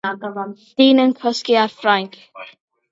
Dyn yn cysgu ar fainc.